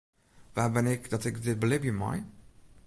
Wa bin ik dat ik dit belibje mei?